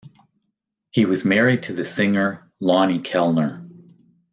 He was married to the singer Lonny Kellner.